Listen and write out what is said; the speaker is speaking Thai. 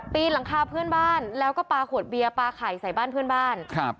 นหลังคาเพื่อนบ้านแล้วก็ปลาขวดเบียร์ปลาไข่ใส่บ้านเพื่อนบ้านครับ